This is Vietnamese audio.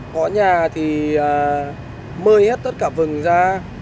có nhà thì mơi hết tất cả vườn ra